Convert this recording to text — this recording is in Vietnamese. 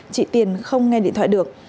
chị tiền không nghe điện thoại được